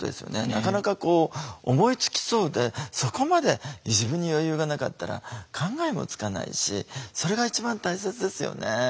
なかなかこう思いつきそうでそこまで自分に余裕がなかったら考えもつかないしそれが一番大切ですよね。